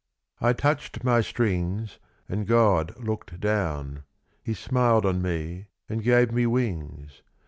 I touched my strings, and God looked down, He smiled on me, and gave me wings.